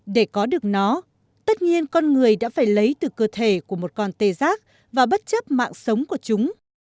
để có được nó tất nhiên con người đã phải lấy từ cơ thể của một con tê giác và bất chấp mạng sống của chúng